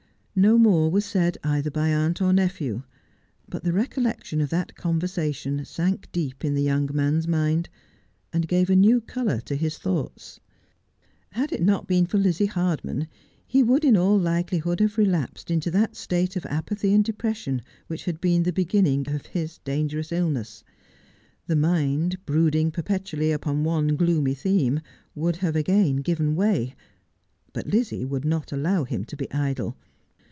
No more was said either by aunt or nephew ; but the recollection of that conversation sank deep in the young mans mind, and gave a new colour to his thoughts. Had it not been for Lizzie Hardman he would in all likeli hood have relapsed into that state of apathy and depression which had been the beginning of his dangerous illness. The mind, brooding perpetually upon one gloomy theme, would have again given way. But Lizzie would not allow him to be idle.